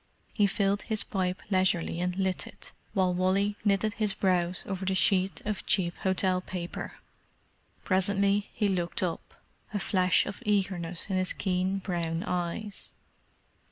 He filled his pipe leisurely and lit it, while Wally knitted his brows over the sheet of cheap hotel paper. Presently he looked up, a flash of eagerness in his keen brown eyes.